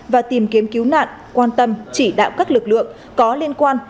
và tìm kiếm cứu nạn quan tâm chỉ đạo các lực lượng có liên quan